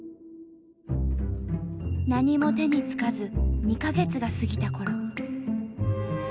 何も手につかず２か月が過ぎたころ。